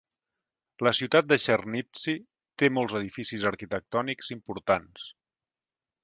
La ciutat de Chernivtsi té molts edificis arquitectònics importants.